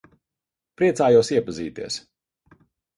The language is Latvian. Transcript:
Priecājos iepazīties.